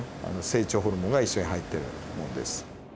成長ホルモンが一緒に入っているものです。